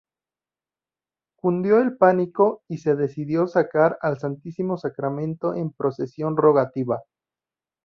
Cundió el pánico y se decidió sacar al Santísimo Sacramento en procesión rogativa.